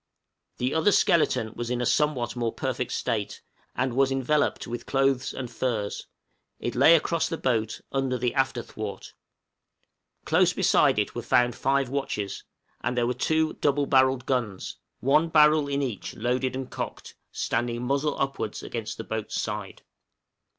The other skeleton was in a somewhat more perfect state, and was enveloped with clothes and furs; it lay across the boat, under the after thwart. Close beside it were found five watches; and there were two double barrelled guns one barrel in each loaded and cocked standing muzzle upwards against the boat's side.